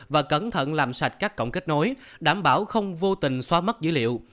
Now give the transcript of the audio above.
và cẩn thận làm sạch các cổng kết nối đảm bảo không vô tình xóa mất dữ liệu